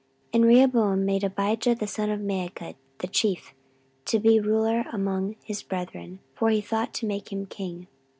14:011:022 And Rehoboam made Abijah the son of Maachah the chief, to be ruler among his brethren: for he thought to make him king.